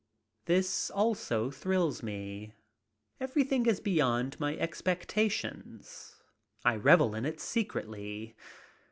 This also thrills me. Everything is beyond my expectations. I revel in it secretly.